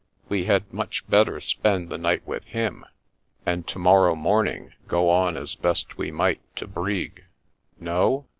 We had much better spend the night with him, and to morrow morning go on as best we might to Brig. No?